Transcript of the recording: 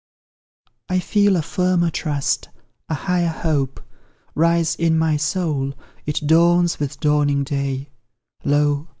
I feel a firmer trust a higher hope Rise in my soul it dawns with dawning day; Lo!